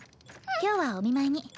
今日はお見舞いに。